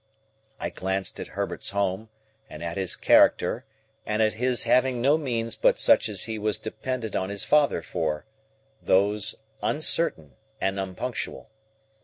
I glanced at Herbert's home, and at his character, and at his having no means but such as he was dependent on his father for; those, uncertain and unpunctual.